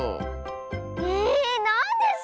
えなんです